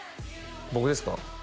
僕ですか？